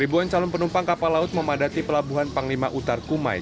ribuan calon penumpang kapal laut memadati pelabuhan panglima utar kumai